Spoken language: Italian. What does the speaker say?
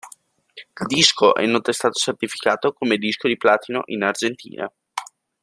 Il disco è inoltre stato certificato come disco di platino in Argentina.